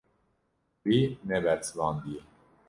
Wî nebersivandiye.